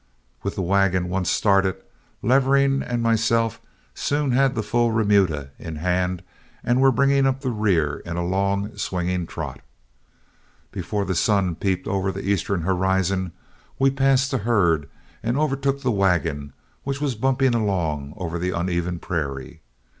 With the wagon once started, Levering and myself soon had the full remuda in hand and were bringing up the rear in a long, swinging trot. Before the sun peeped over the eastern horizon, we passed the herd and overtook the wagon, which was bumping along over the uneven prairie.